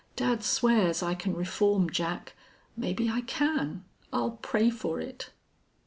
Dad swears I can reform Jack. Maybe I can. I'll pray for it."